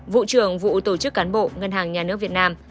vụ trưởng vụ tổ chức cán bộ ngân hàng nhà nước việt nam